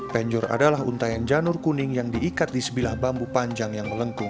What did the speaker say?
penjur adalah untayan janur kuning yang diikat di sebilah bambu panjang yang melengkung